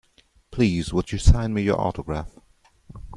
Please would you sign me your autograph?